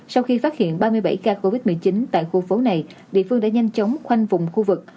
sau khi phát hiện ba mươi bảy ca covid một mươi chín tại khu phố này địa phương đã nhanh chóng khoanh vùng khu vực